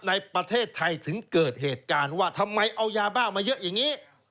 ในประเทศไทยถึงเกิดเหตุการณ์ว่าทำไมเอายาบ้ามาเยอะอย่างนี้